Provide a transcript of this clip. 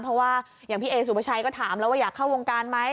เพราะว่าอย่างพี่เอสุภาชัยก็ถามแล้วว่าอยากเข้าวงการไหม